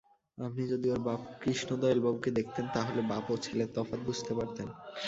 আপনি যদি ওর বাপ কৃষ্ণদয়ালবাবুকে দেখতেন তা হলে বাপ ও ছেলের তফাত বুঝতে পারতেন।